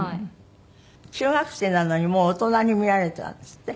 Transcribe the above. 中学生なのにもう大人に見られたんですって？